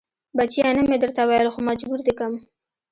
بچيه نه مې درته ويل خو مجبور دې کم.